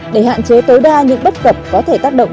để hạn chế tối đa những bất cập có thể tác động